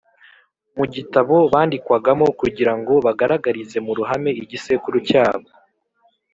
mu gitabo bandikwagamo kugira ngo bagaragarize mu ruhame igisekuru cyabo